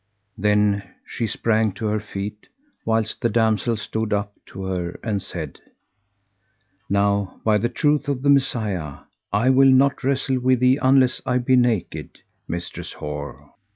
[FN#164] Then she sprang to her feet, whilst the damsel stood up to her, and said, "Now by the truth of the Messiah, I will not wrestle with thee unless I be naked, Mistress whore!"